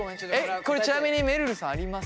これちなみにめるるさんあります？